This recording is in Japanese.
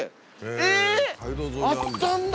えぇ？あったんだ